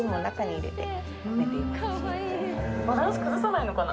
バランス、崩さないのかな。